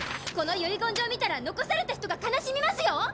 この遺言状を見たら残された人が悲しみますよ